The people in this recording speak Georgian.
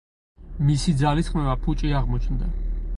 მისი ძალისხმევა ფუჭი აღმოჩნდა.